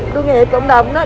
đô nghiệp cộng đồng nói